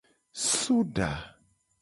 Soda.